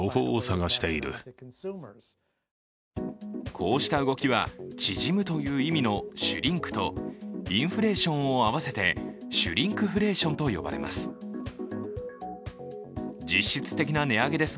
こうした動きは、縮むという意味のシュリンクと、インフレーションを合わせて、シュリンクフレーションと呼ばれます。